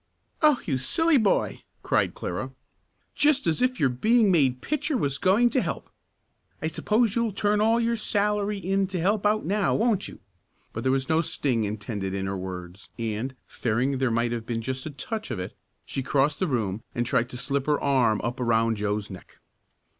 "Oh, you silly boy!" cried Clara. "Just as if your being made pitcher was going to help. I suppose you'll turn all your salary in to help out now; won't you?" but there was no sting intended in her words and, fearing there might have been just the touch of it, she crossed the room and tried to slip her arm up around Joe's neck.